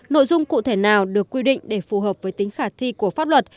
nội dung cụ thể nào được quy định để phù hợp với tính khả thi của pháp luật